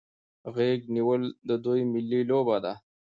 غیږ نیول د دوی ملي لوبه ده.